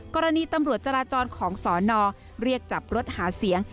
กรณีตำรวจจราจรของสอนอเรียกจับรถหาเสียง